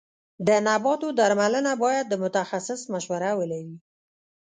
د نباتو درملنه باید د متخصص مشوره ولري.